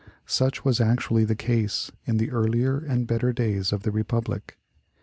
Such was actually the case in the earlier and better days of the republic.